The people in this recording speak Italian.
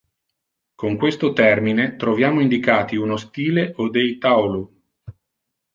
Con questo termine troviamo indicati uno stile o dei Taolu.